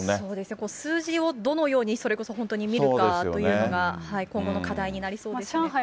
そうですね、数字をどのように、それこそ本当に見るかというのが、今後の課題になりそうですね。